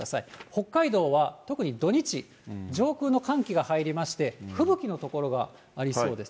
北海道は特に土日、上空の寒気が入りまして、吹雪の所がありそうです。